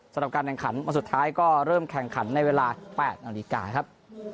สำหรับการแข่งขันวันสุดท้ายก็เริ่มแข่งขันในเวลา๘นาฬิกาครับ